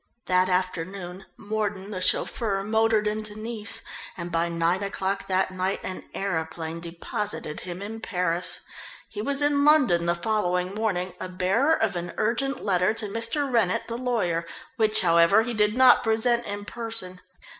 That afternoon Mordon, the chauffeur, motored into Nice, and by nine o'clock that night an aeroplane deposited him in Paris. He was in London the following morning, a bearer of an urgent letter to Mr. Rennett, the lawyer, which, however, he did not present in person.